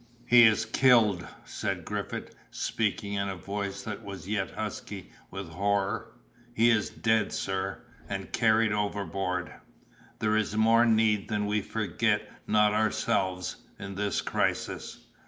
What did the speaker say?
"He is killed!" said Griffith, speaking in a voice that was yet husky with horror; "he is dead, sir, and carried overboard; there is more need that we forget not ourselves, in this crisis."